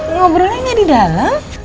ngobrolnya gak di dalam